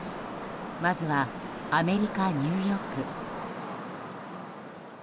まずはアメリカ・ニューヨーク。